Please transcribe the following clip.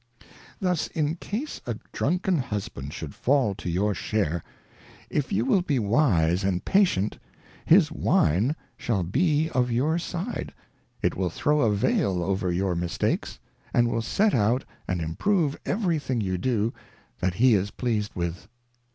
Thus in case a Drunken Husband should fall to your share, if HUSBAND. 13 if you will be wise and patient, his Wine shall be of your side ; it will throw a Veil over your Mistakes, and will set out and improve eveiy thing you do, that he is pleased with.